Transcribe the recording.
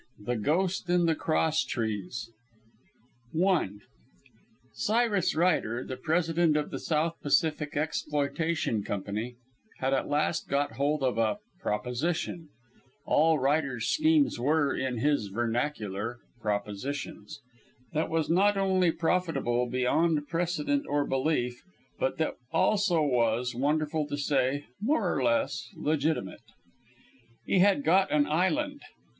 THE GHOST IN THE CROSSTREES I Cyrus Ryder, the President of the South Pacific Exploitation Company, had at last got hold of a "proposition" all Ryder's schemes were, in his vernacular, "propositions" that was not only profitable beyond precedent or belief, but that also was, wonderful to say, more or less legitimate. He had got an "island."